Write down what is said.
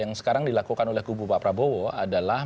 jangan takut sama genderuwo atau sontoloyo